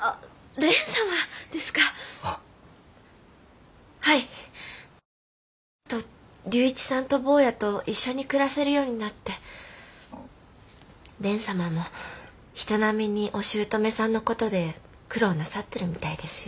震災のあと龍一さんと坊やと一緒に暮らせるようになって蓮様も人並みにお姑さんの事で苦労なさってるみたいですよ。